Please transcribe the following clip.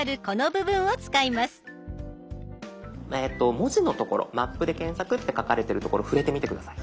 文字の所「マップで検索」って書かれてる所触れてみて下さい。